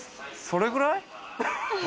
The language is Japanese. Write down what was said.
それくらい？